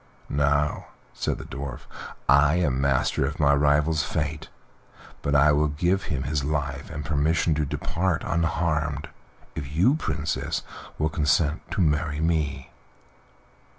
"Now," said the Dwarf, "I am master of my rival's fate, but I will give him his life and permission to depart unharmed if you, Princess, will consent to marry me."